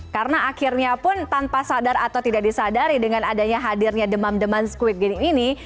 karena akhirnya pun tanpa sadar atau tidak disadari dengan adanya hadirnya demam demam squid game ini